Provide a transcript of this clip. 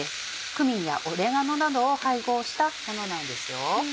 クミンやオレガノなどを配合したものなんです。